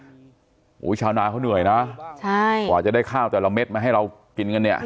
โอ้โหชาวนาเขาเหนื่อยนะใช่กว่าจะได้ข้าวแต่ละเม็ดมาให้เรากินกันเนี่ย